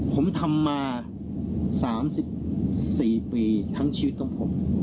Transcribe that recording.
ผมทำมา๓๔ปีทั้งชีวิตของผม